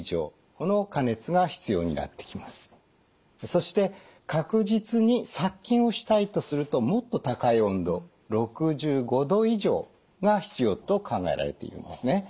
そして確実に殺菌をしたいとするともっと高い温度６５℃以上が必要と考えられていますね。